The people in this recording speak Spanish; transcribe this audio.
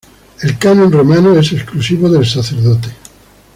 El canon Romano, es exclusivo del sacerdote.